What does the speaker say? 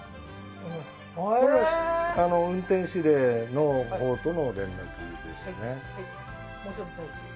運転指令のほうとの連絡ですね。